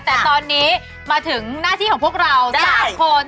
แต่ตอนนี้มาถึงหน้าที่ของพวกเรา๓คน